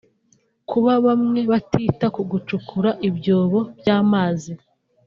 Kuba bamwe batita ku gucukura ibyobo by’amazi